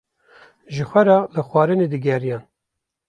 Ji xwe re li xwarinê digeriyan.